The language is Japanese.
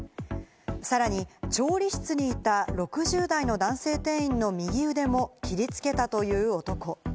さらに調理室にいた６０代の男性店員の右腕も切りつけたという男。